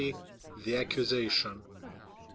The Accusation M.